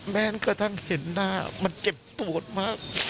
แม้กระทั่งเห็นหน้ามันเจ็บปวดมาก